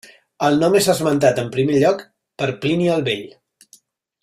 El nom és esmentat en primer lloc per Plini el Vell.